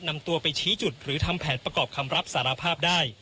นำตัวไปชี้จุดหรือทำแผนประกอบคำรับสารภาพได้